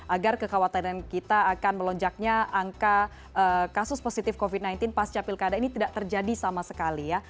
agar kekhawatiran kita akan melonjaknya angka kasus positif covid sembilan belas pasca pilkada ini tidak terjadi sama sekali ya